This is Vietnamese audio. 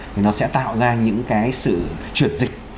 thì nó sẽ tạo ra những cái sự chuyển dịch